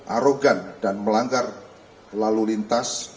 arogan dan melanggar lalu lintas